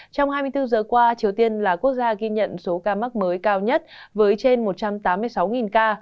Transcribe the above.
trong hai mươi bốn giờ qua triều tiên là quốc gia ghi nhận số ca mắc mới cao nhất với trên một trăm tám mươi sáu ca